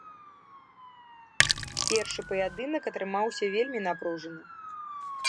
Першы паядынак атрымаўся вельмі напружаны.